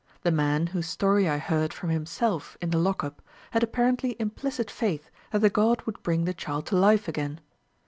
The man, whose story I heard from himself in the lock up, had apparently implicit faith that the god would bring the child to life again.